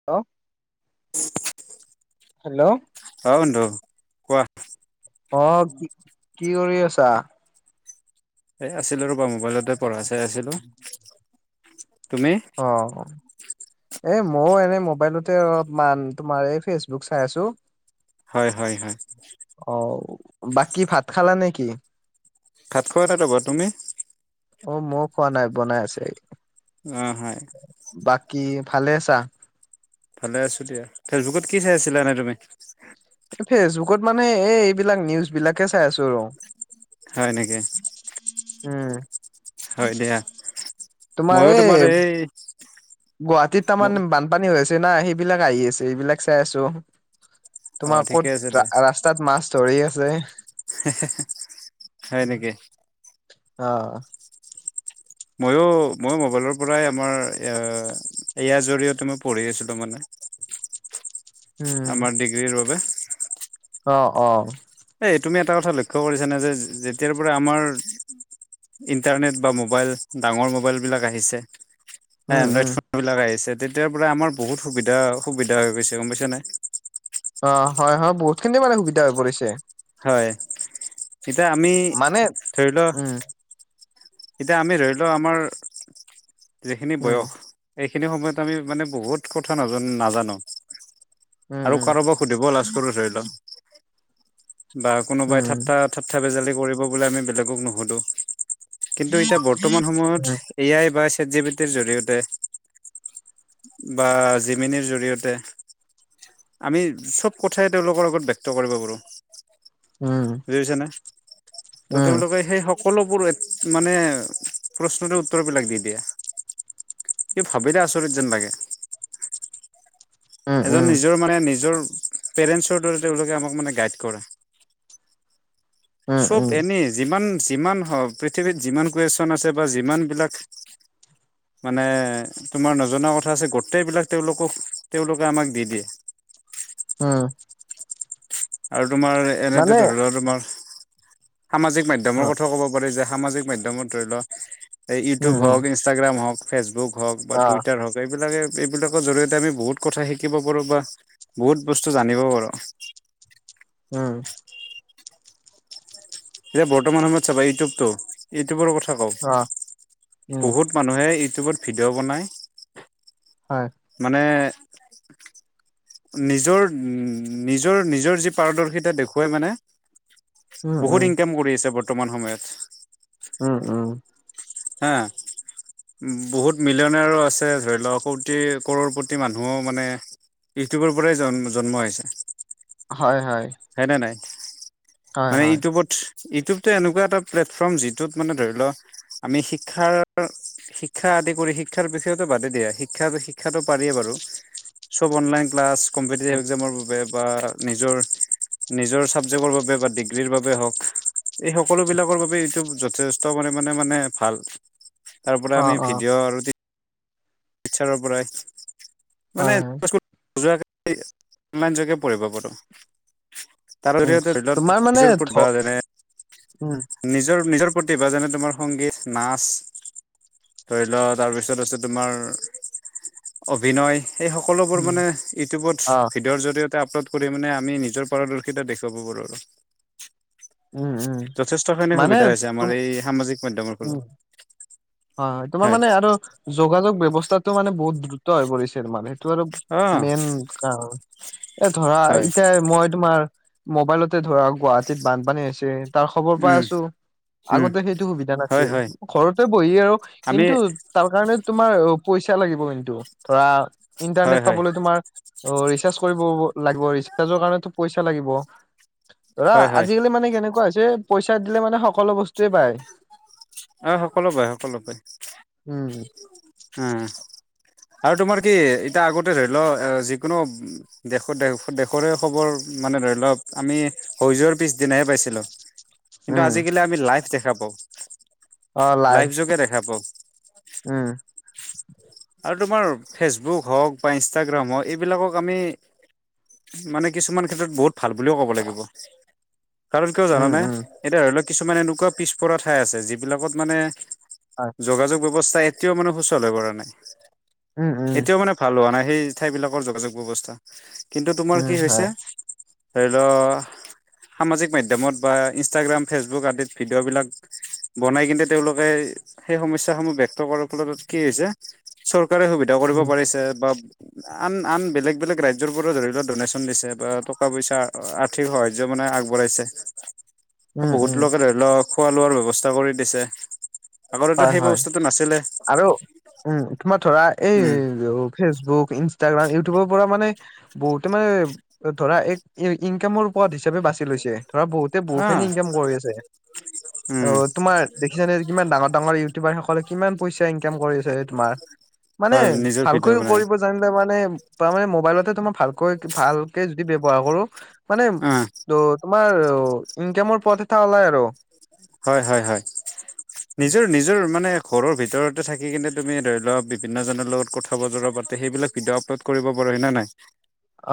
[unintelligible] [unintelligible] Hello. অ', বন্ধু। কোৱা। অ', কি, কি কৰি আছা? এই আছিলোঁ ৰ'বা, মোবাইলতে পঢ়া চাই আছিলোঁ! তুমি? অ' [inaudible] এ মও এনে মোবাইলতে অলপমান তোমাৰ এই ফেচবুক চাই আছোঁ! হয়, হয়, হয়। অ', বাকী ভাত খালা নেকি? ভাত খোৱা [unintelligible] তুমি? অ মই খোৱা নাই। বনাই আছে। অ হয়। বাকী ভালে আছা ভালে আছো দিয়া ফেচবুকত কি চাই আছিলা এনে তুমি ফেচবুকত মানে এই এইবিলাক নিউজ বিলাকে চাই আছো আৰু হয় নেকি উম হয় দিয়া তোমাৰ এই গুৱাহাটীত তামান বান পানী হৈ আছে না সেইবিলাক আহি আছে এইবিলাক চাই আছো অ তোমাৰ ঠিকে আছে কত ৰা ৰাস্তা তাত মাছ ধৰি আছে হে হে হে হয় নেকি অ মইয়ো মইয়ো মোবাইলৰ পৰাই আমাৰ এয়া এইয়া জৰিয়তে মই পঢ়ি আছিলো মানে উম আমাৰ ডিগ্ৰীৰ বাবে অ অ এই তুমি এটা কথা লক্ষ্য কৰিছানে যে যেতিয়াৰ পৰা আমাৰ ইণ্টাৰনেট বা মোবাইল ডাঙৰ মোবাইল বিলাক আহিছে এ উম উম ফোনবিলাক আহিছে তেতিয়াৰ পৰা আমাৰ বহুত সুবিধা সুবিধা হৈ গৈছে গম পাইছানে অ হয় হয় বহুতখিনি মানে সুবিধা হৈ পৰিছে হয় এতিয়া আমি মানে ধৰি ল উম এতিয়া আমি ধৰি লওঁ আমাৰ যিখিনি উম বয়স এইখিনি সময়ত আমি মানে বহুত কথা নাজানো নাজানো উম আৰু কাৰোবাক সুধিব লাজ কৰো ধৰি ল বা উম কোনোবাই উম ঠাট্টাত থপথাপে জালি কৰিব বুলি আমি বেলেগক নুসোঁধো কিন্তু এতিয়া বৰ্তমান সময়ত এ আই বা চে জিপিটিৰ জৰিয়তে বা জিমিনিৰ জৰিয়তে আমি চব কথাই তেওঁলোকৰ আগত ব্যক্ত কৰিব পাৰোঁ উম দূয়োজনে ত' উম তেওঁলোকে সেই সকলোবোৰ মানে প্ৰশ্নতে উত্তৰ বিলাক দি দিয়ে এ ভাবিলে আচৰিত যেন লাগে উম এজন নিজৰ মানে নিজৰ পেৰেন্সৰ দৰে তেওঁলোকে আমাক মানে গাইড কৰে উম চব উম এনেই যিমান, যিমান হওক পৃথিৱীত যিমান কুৱেশ্বন আছে বা যিমানবিলাক মানে তোমাৰ নজনা কথা আছে গোটেইবিলাক তেওঁলোকক তেওঁলোকে আমাক দি দিয়ে উম আৰু তোমাৰ এনেতে মানে ধৰি লোৱা তোমাৰ সামাজিক অ মাধ্যমৰ কথাও ক'ব পাৰি যে সামাজিক মাধ্যমত ধৰি লোৱা উম ইউটিউব উম হওক ইনষ্টাগ্ৰাম হওক ফেচবুক হওক বা অ টুইটাৰ হওক এইবিলাকে এইবিলাকৰ জৰিয়তে আমি বহুত কথা শিকিব পাৰো বা বহুত বস্তু জানিব পাৰো উম এতিয়া বৰ্তমান সময়ত চাবা ইউটিউবতটো ইউটিউবৰ কথা কওঁ অ উম বহুত মানুহে ইউটিউবত ভিডিঅ' বনায় হয় মানে নিজৰ নিজৰ নিজৰ যি পাৰদৰ্শিতা দেখুৱাই মানে উম উম বহুত ইনকাম কৰি আছে বৰ্তমান সময়ত। উম উম। হা! উম বহুত মিলিয়নৰো আছে ধৰি লোৱা কোটি কৰৰপতি মানুহো মানে ইউটিউবৰ পৰাই জন জন্ম হৈছে। হয় হয়। হে নে নাই? হয় মানে হয় ইউটিউবত ইউটিউবটো এনেকুৱা এটা প্লেটফৰ্ম যিটোত মানে ধৰি লও আমি শিক্ষাৰ শিক্ষা আদি কৰি শিক্ষাৰ বিষয়তো বাদে দিয়া শিক্ষা শিক্ষাটো পাৰিয়ে বাৰু। চব অনলাইন ক্লাছ, কম্পিটিভ একজামৰ বাবে বা নিজৰ নিজৰ ছাবজেক্টৰ বাবে বা ডিগ্ৰীৰ বাবে হওক এই সকলোবিলাকৰ বাবে ইটো যথেষ ট পৰিমাণে মানে ভাল তাৰ পৰা অ আমি অ ভিডিঅ' আৰু টিচাৰৰ পৰাই হয় মানে হয় পাছবু যোৱাই এই অনলাইন যোগে পঢ়িব পাৰো। তাৰ উম জৰিয়তে ধৰি লক তোমাৰ মানে নিজৰ ধ ওপৰট বা যেনে উম নিজৰ নিজৰ প্ৰতিভা যেনে তোমাৰ সংগীত, নাচ ধৰি লোৱা তাৰপিছত আছে তোমাৰ অভিনয় এই সকলোবোৰ উম মানে ইউটিউবত অ ভী ডিয়ৰ জৰিয়তে আপলোড কৰি মানে আমি নিজৰ পাৰদৰ্শিতা দেখুৱাব পাৰো আৰু। উম উম যথেষ্টখিনি মানে সুবিধা হৈছে তুম আমাৰ এই সামাজিক মাধ্যমৰ ফলত। অ হয় তোমাৰ মানে আৰু যোগাযোগ ব্যৱস্থাটো মানে বহুত দ্ৰুত হৈ পৰিছে মানে ধৰি লওক অ মেইন কাৰণ এ ধৰা হয় এতিয়া মই তোমাৰ মোবাইলতে ধৰা গুৱাহাটীত বানপানী হৈছে তাৰ খবৰ পাই আছো উম উম আগতে সেইটো সুবিধা হয় নাছিল, হয় ঘৰতে বহি আৰু আমি কিন্তু তাৰ কাৰণে তোমাৰ পইচা লাগিব কিন্তু ধৰা হয় ইণ্টাৰনেট হয় পাবলৈ তোমাৰ অ ৰিচাৰ্জ কৰিব লাগিব, ৰিচাৰ্জৰ কাৰনেতো পইচা লাগিব। ধৰা হয় হয় আজিকালি মানে কেনেকুৱা হৈছে পইচা দিলে মানে সকলো বস্তুয়ে পায়। আহ সকলো পায় সকলো পায়। উম। আ আৰু তোমাৰ কি এতিয়া আগতে ধৰি লোৱা এ যিকোনো দেশৰ দেশ দেশৰে খবৰ মানে ধৰি লওক আমি হৈ যোৱাৰ পিছদিনাহে পাইছিলো। কিন্তু উম আজিকালি আমি লাইভ দেখা পাওঁ। অ লাইভ যোগে দেখা পাওঁ উম। আৰু তোমাৰ ফেচবুক হওক বা ইনষ্টাগ্ৰাম হওক এইবিলাকক আমি মানে কিছুমান ক্ষেত্ৰত বহুত ভাল বুলিও ক'ব লাগিব কাৰণ কিয় উম জানানে? উম এতিয়া ধৰি লওক কিছুমান এনেকুৱা পিছপৰা ঠাই আছে যিবিলাকত মানে হয়। যোগাযোগ ব্যৱস্থা এতিয়াও মানে সুচল হৈ পৰা নাই। উম, উম, এতিয়াও মানে ভাল হোৱা নাই সেই ঠাইবিলাকৰ যোগাযোগ ব্যৱস্থা কিন্তু তোমাৰ উম, কি হৈছে হয়, ধৰি লও সামাজিক মাধ্যমত বা ইনষ্টাগ্ৰাম, ফেচবুক আদিত ভিডিঅ'বিলাক বনাই কিনে তেওঁলোকে সেই সমস্যাসমূহ ব্যক্ত কৰাৰ ফলত কি হৈছে চৰকাৰে সুবিধা কৰিব উম, পাৰিছে বা আন আন বেলেগ বেলেগ ৰাজ্যৰ পৰা ধৰি লওক ডনেশ্যন দিছে বা টকা - পইচা আ ঠিক সহাৰ্য্য মানে আগবঢ়াইছে। উম, বহুত উম, লোকে ধৰি লও খোৱা লোৱাৰ ব্যৱস্থা কৰি দিছে। আগতেতো হয়, সেই হয় ব্ৱস্থাটো নাছিলে আৰু উম তোমাৰ ধৰা উম এই ফেচবুক ইনষ্টাগ্ৰাম ইউটিউবৰ পৰা মানে। বহুতে মানে ধৰা এক ইনকামৰ উপৰত দিছে। হিচাপে বাছি লৈছে ধৰা বহুতে অ বহুতখিনি ইনকাম কৰি আছে। অ উম তোমাৰ দেখিছানে কিমান ডাঙৰ- ডাঙৰ ইউটিউবাৰ সকলে কিমান পইচা ইনকাম কৰিছে তোমাৰ মানে হয় নিজৰ ভিডিঅ' ভালকৈ বনাই কৰিব। মে তাৰ মে মোবাইলত তোমাৰ ভালকৈ ভালকে যদি ব্যৱহাৰ কৰো মানে অ তোমাৰ ইনকামৰ পথ এথা ওলাই আৰু। হয় হয় হয়। নিজৰ নিজৰ মানে ঘৰৰ ভিতৰতে থাকি কিনে তুমি ধৰি লোৱা বিভিন্ন জনৰ লগত কথা বজাৰৰাতে সেইবিলাক ভিডিঅ' আপলোড কৰিব পাৰ হয় নাই।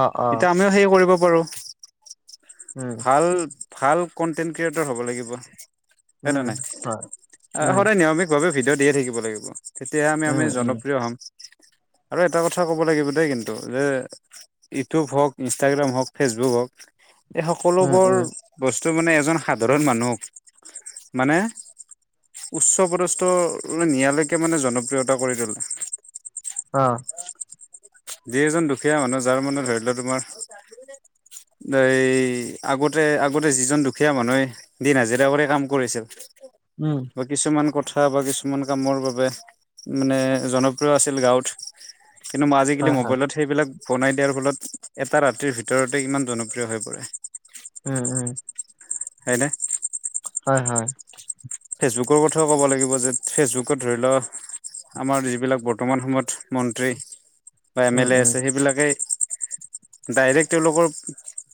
অ', অ'। এতিয়া আমিও সেই কৰিব পাৰো। উম ভাল ভাল কন্টেন্ট ক্ৰিয়েটৰ হ'ব লাগিব। সেইটো উম নাই হয় আৰু উম সদায় নিয়মিতভাৱে ভিডিঅ' দিয়ে থাকিব লাগিব। তেতিয়াহে আমি আমি উম জনপ্ৰিয় হ'ম আৰু এটা কথা ক'ব লাগিব দেই কিন্তু যে ইউটিউব হওক, ইনষ্টাগ্ৰাম হওক, ফেচবুক হওক এই উম সকলোবোৰ উম উম বস্তু মানে এজন সাধাৰণ মানুহক মানে উচ্চ পদস্থ নিয়ালৈকে মানে জনপ্ৰিয়তা কৰি তোলে। অ'। যি এজন দুখীয়া মানুহ যাৰ মনত ধৰি লোৱা তোমাৰ এই আগতে আগতে যিজন দুখীয়া মানুহে দিন হাজিৰা গাঁৱৰে কাম কৰিছিল। উম। বা কিছুমান কথা বা কিছুমান কামৰ বাবে মানে জনপ্ৰিয় আছিল গাঁৱত। কিন্তু মই আজিকালি হয় হয় মোবাইলত সেইবিলাক বনাই দিয়াৰ ফলত এটা ৰাতিৰ ভিতৰতে ইমান জনপ্ৰিয় হৈ পৰে। উম উম। হয় এনে হয় হয়। ফেচবুকত কথাও ক'ব লাগিব যে ফেচবুকত ধৰি লও আমাৰ যিবিলাক বৰ্তমান সময়ত মন্ত্ৰী বা এম উম এল এ উম আছে সেইবিলাকেই ডাইৰেক্ট তেওঁলোকৰ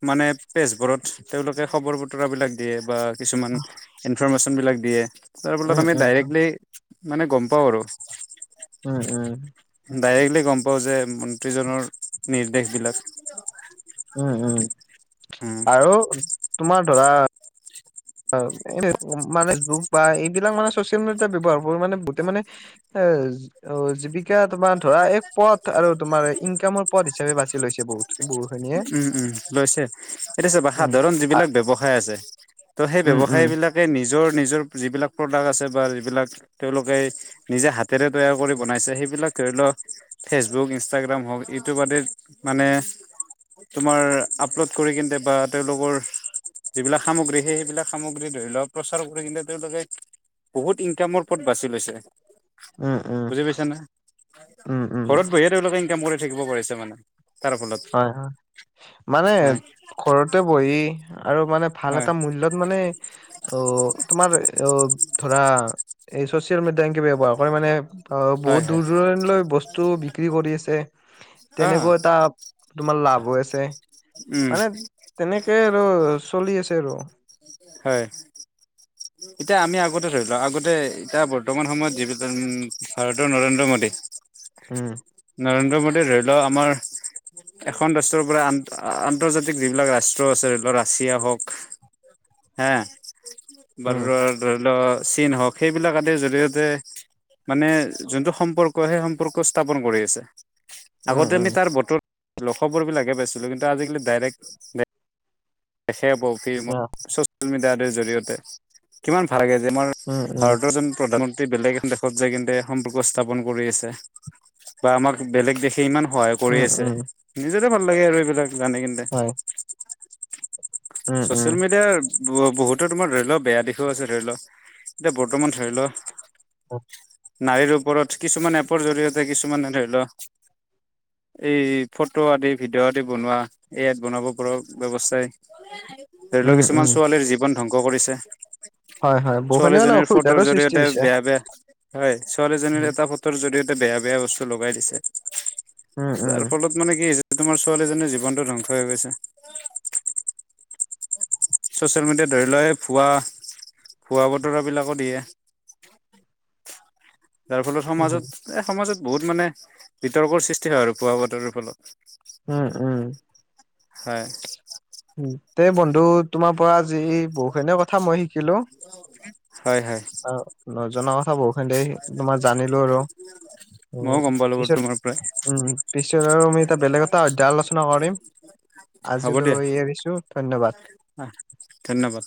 মানে পেজবোৰত তেওঁলোকে খবৰ বতৰা বিলাক দিয়ে বা কিছুমান ইনফৰৰ্মেশ্যনবিলাক দিয়ে তাৰ ফলত উম আমি উম ডাইৰেক্টলি মানে গম পাওঁ। আৰু উম উম। ডাইৰেক্টলি গ'ম পাওঁ যে মন্ত্ৰীজনৰ নিৰ্দেশ বিলাক। উম উম উম আৰু তোমাৰ ধৰা- ফেচবুক বা এইবিলাক মানে চচিয়েল মিডিয়াত ব্যৱহাৰ কৰি মানে বহুতে মানে- অ অ জীৱিকা তোমাৰ ধৰা এক পথ আৰু তোমাৰ ইনকামৰ পথ হিচাপে বাছি লৈছে বহুত বৰো খিনিয়ে উম, উম লৈছে। এতিয়া চাবা সাধাৰণ আ যিবিলাক ব্যৱসায় আছে তো সেই উম উম ব্যৱসায়বিলাকে নিজৰ নিজৰ যিবিলাক প্ৰডাক্ট আছে বা যিবিলাক তেওঁলোকে নিজে হাতেৰে তৈয়াৰ কৰি বনাইছে সেইবিলাক ধৰি লওঁ ফেচবুক ইনষ্টাগ্ৰাম হওঁক ইউটিউবাতে মানে তোমাৰ আপলোড কৰি কেন্তে বা তেওঁলোকৰ যিবিলাক সামগ্ৰী সেই সেইবিলাক সামগ্ৰী ধৰি লওঁক প্ৰচাৰ কৰি কিনে তেওঁলোকে বহুত ইনকামৰ পথ বাচি লৈছে। উম উম বুজি পাইছনে? উম উম ঘৰত বহি তেওঁলোকে ইনকাম কৰি থাকিব পাৰিছে মানে। তাৰ ফলত হয় হয় মানে হয়, ঘৰতে বহি আৰু মানে ভাল হয়, এটা মূল্যত মানে অ তোমাৰ অ ধৰা এই চচিয়েল মিডিয়া এনকে ব্যৱহাৰ কৰে মানে বহুত হয়, হয়, দূৰ দূৰণ লৈ বস্তু বিক্ৰী কৰি আছে। অ', তেনেকুৱা এটা তোমাৰ লাভ হৈ আছে। উম, মানে তেনেকে আৰু চলি আছে আৰু। হয়। এতিয়া আমি আগতে ধৰি লওঁ, আগতে এতিয়া বৰ্তমান সময়ত যিবিলাক ভাৰতৰ নৰেন্দ্ৰ মোডী উম, নৰেন্দ্ৰ মোডীয়ে ধৰি লও আমাৰ [unintelligible] এখন ৰাষ্ট্ৰৰ পৰা আ-আন্তৰ্জাতিক যিবিলাক ৰাষ্ট্ৰ আছে, ধৰ ৰাছিয়া হওক হা উম, বাৰু ধৰি লওঁ চীন হওঁক সেইবিলাক আদিৰ জৰিয়তে মানে যোনটো সম্পৰ্ক, সেই সম্পৰ্ক স্থাপন কৰি আছে। উম, আগতে আমি উম, তাৰ বতৰ খবৰ বিলাকে পাইছিলো। কিন্তু আজিকালি ডাইৰেক্ট দেখা পাওঁ পি এমক অ' ছচিয়েল মিডিয়াটো জৰিয়তে। কিমান ভাল লাগে যে আমাৰ উম, উম, ভাৰতৰ জন প্ৰধানমন্ত্ৰী বেলেগ দেশত যায় কিন্তে সম্পৰ্ক স্থাপন কৰি আছে। বা আমাক বেলেগ দেশে ইমান সহায় কৰি উম, আছে। উম, নিজৰ ভাল লাগে আৰু এইবিলাক জানি কিনে। অ উম, চোচিয়েল মিডিয়াৰ ব-বহুতো তোমাৰ ধৰি ল বেয়া দিশও আছে ধৰি ল, কিন্তু বৰ্তমান ধৰি ল [inaudible] নাৰীৰ ওপৰত কিছুমান এপৰ জৰি়য়তে কিছুমানে ধৰি লও এই ফটো আদি ভিডিঅ' আদি বনোৱা এয়াত বনাব পা ব্যৱস্থাই, ধৰি লওক উম, কিছুমান উম, ছোৱালীৰ জীৱন ধ্বংস কৰিছে। হয়, হয়, বহুখিনি মানে ছোৱালীজনীৰ ফটো অসুবিধাৰো সৃষ্টি জৰিয়তে হৈছে। বেয়া বেয়া, হয় ছোৱালীজনীৰ উম, এটা ফ জৰিয়তে বেয়া বেয়া বস্তু লগাই দিছে। উম, যাৰ উম, ফলত মানে কি হৈছে তোমাৰ ছোৱালীজনীৰ জীৱনটো ধ্বংস হৈ গৈছে। চোচিয়েল মিডিয়াত ধৰি লোৱা এই ভুৱা ভুৱা বতৰাবিলাকো দিয়ে। যাৰ ফলত সমাজত, উম, এই সমাজত বহুত মানে বিতৰ্কৰ সৃষ্টি হয় আৰু ভুৱা বাতৰিৰ ফলত। উম উম। হয়। তে বন্ধু তোমাৰ পৰা আজি বহুখিনি কথা মই শিকিলো হয় হয় অ নজনা কথা বহু সতে তোমাৰ জানিলো আৰু উম ময়ো গম পালো বাৰু পিছত তোমাৰ পৰাই উ পিছত আৰু আমি এটা বেলেগ এটা অধ্যায় আলোচনা কৰিম, আজিলৈ এৰিছোঁ ধন্যবাদ। অ ধন্যবাদ।